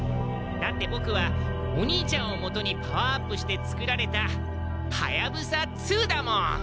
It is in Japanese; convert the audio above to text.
だってボクはお兄ちゃんをもとにパワーアップしてつくられたはやぶさ２だもん！